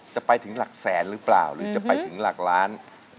จะไปถึงหลักแสนหรือเปล่าหรือจะไปถึงหลักล้าน